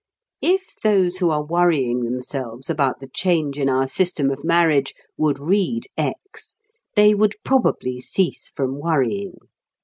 If those who are worrying themselves about the change in our system of marriage would read "X," they would probably cease from worrying.